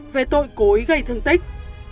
về tội cố ý gây thương tích